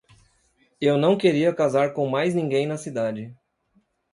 Eu não queria casar com mais ninguém na cidade.